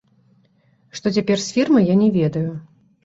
Што цяпер з фірмай, я не ведаю.